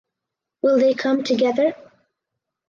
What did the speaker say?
Will they come together?